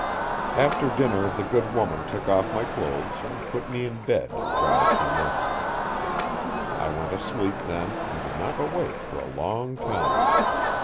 After dinner the good woman took off my clothes and put me in bed while she mended them. I went asleep then and did not awake for a long time.